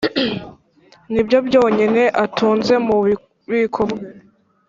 Ni byo byonyine atunze mu bubiko bwe